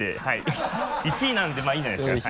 １位なんでまぁいいんじゃないですか？